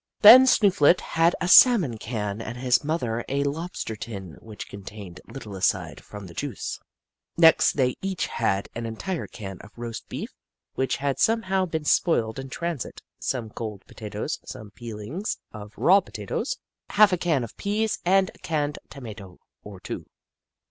Then Snooflet had a salmon can and his mother a lobster tin which contained little aside from the juice. Next they each had an entire can of roast beef, which had somehow been spoiled in transit, some cold potatoes, some peelings of raw potatoes, half a can of peas, and a canned tomato or two.